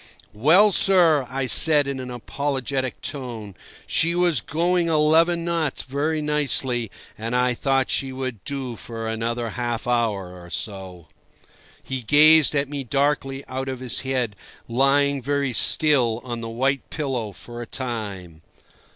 "Well, sir," I said in an apologetic tone, "she was going eleven knots very nicely, and I thought she would do for another half hour or so." He gazed at me darkly out of his head, lying very still on the white pillow, for a time.